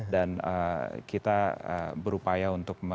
dan kita berupaya untuk menjaga